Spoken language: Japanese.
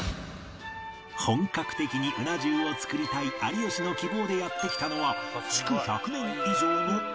本格的にうな重を作りたい有吉の希望でやって来たのは